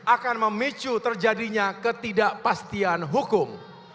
akan memicu terjadinya ketidakpastian hukum